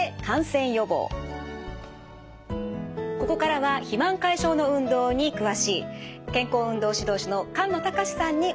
ここからは肥満解消の運動に詳しい健康運動指導士の菅野隆さんに教えていただきます。